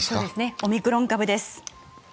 オミクロン株です。